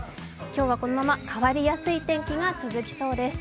今日はこのまま変わりやすい天気が続きそうです。